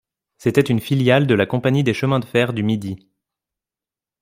C'était une filiale de la Compagnie des chemins de fer du Midi.